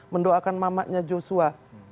mendoakan mamatnya joshua